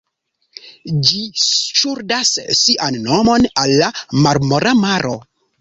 Ĝi ŝuldas sian nomon al la Marmora maro.